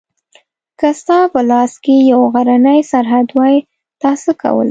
که ستا په لاس کې یو غرنی سرحد وای تا څه کول؟